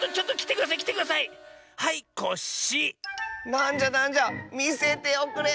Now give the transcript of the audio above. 「『なんじゃなんじゃみせておくれ！